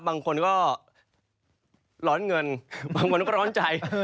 บางคนก็ร้อนเงินบางคนก็ร้อนใจ